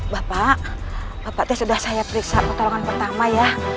bapak bapak t sudah saya periksa pertolongan pertama ya